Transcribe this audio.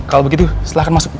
kalau begitu silahkan masuk